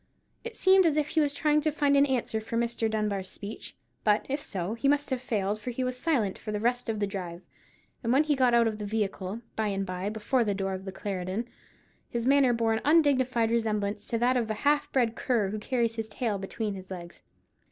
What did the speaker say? It seemed as if he was trying to find an answer for Mr. Dunbar's speech: but, if so, he must have failed, for he was silent for the rest of the drive: and when he got out of the vehicle, by and by, before the door of the Clarendon, his manner bore an undignified resemblance to that of a half bred cur who carries his tail between his legs.